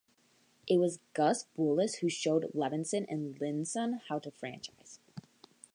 It was Gus Boulis who showed Levinson and Linzon how to franchise.